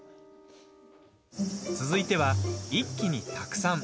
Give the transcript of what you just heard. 続いては、一気にたくさん！